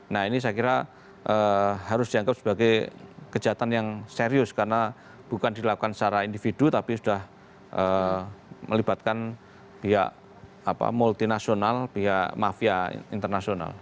nah ini saya kira harus dianggap sebagai kejahatan yang serius karena bukan dilakukan secara individu tapi sudah melibatkan pihak multinasional pihak mafia internasional